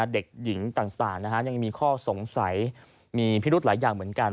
เด็กหญิงต่างยังมีข้อสงสัยมีพิรุธหลายอย่างเหมือนกัน